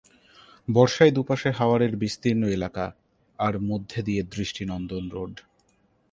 বর্ষায় দু'পাশে হাওরের বিস্তীর্ণ এলাকা আর মধ্যে দিয়ে দৃষ্টিনন্দন রোড।